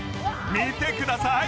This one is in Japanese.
見てください！